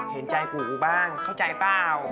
เห็นใจปู่กูบ้างเข้าใจเปล่า